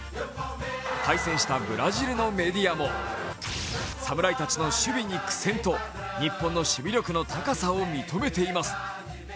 対戦したブラジルのメディアも侍たち守備に苦戦と日本の守備力の高さを認めています。